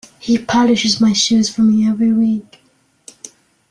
He polishes my shoes for me every week.